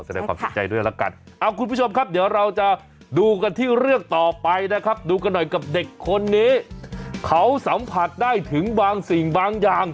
เอ้าคุณผู้ชมครับเดี๋ยวเราจะดูกันที่เรื่องต่อไปนะครับดูกันหน่อยกับเด็กคนนี้เขาสัมผัสได้ถึงบางสิ่งบางอย่าง